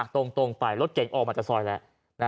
ตรงไปรถเก๋งออกมาจากซอยแล้ว